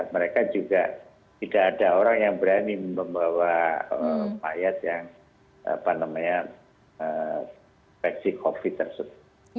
mereka juga tidak ada orang yang berani membawa mayat yang infeksi covid tersebut